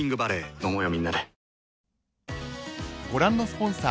飲もうよみんなで。